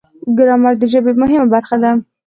ګرامر د ژبې مهمه برخه ده.